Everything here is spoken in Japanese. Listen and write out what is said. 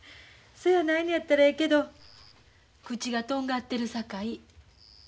そやないのやったらええけど口がとんがってるさかい。